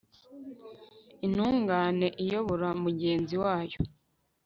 intungane iyobora mugenzi wayo